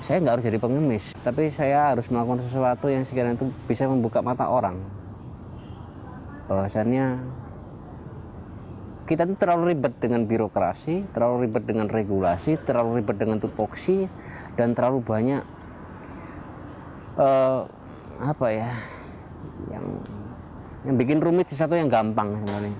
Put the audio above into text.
yang bikin rumit sesuatu yang gampang